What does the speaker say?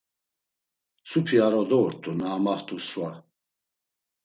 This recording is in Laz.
Mtzupi ar oda ort̆u na amaxt̆u sva.